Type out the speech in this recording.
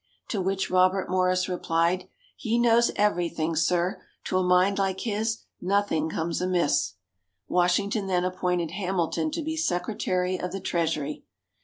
To which Robert Morris replied: "He knows everything, sir! To a mind like his, nothing comes amiss." Washington then appointed Hamilton to be Secretary of the Treasury.